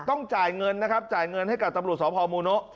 ต้องจ่ายเงินนะครับจ่ายเงินให้กับตำรวจสพมูโนะ